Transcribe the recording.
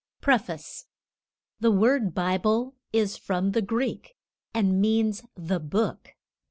PREFACE. The word Bible is from the Greek, and means THE BOOK.